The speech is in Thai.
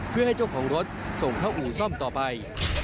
เพื่อให้เจ้าของรถส่งเข้าอู่ซ่อมต่อไป